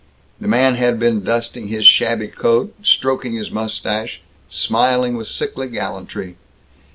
The man had been dusting his shabby coat, stroking his mustache, smiling with sickly gallantry.